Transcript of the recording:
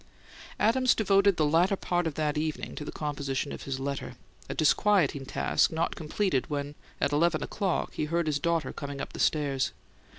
Adams devoted the latter part of that evening to the composition of his letter a disquieting task not completed when, at eleven o'clock, he heard his daughter coming up the stairs.